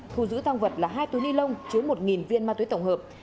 thu giữ tăng vật là hai túi ni lông chứa một viên ma túy tổng hợp